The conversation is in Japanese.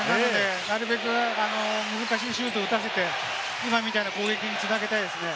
なるべく難しいシュートを打たせて、今みたいな攻撃に繋げたいですね。